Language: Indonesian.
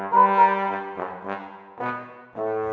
our four but jahit di tubuh lo